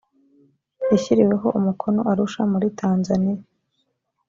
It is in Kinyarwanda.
yashyiriweho umukono arusha muri tanzaniya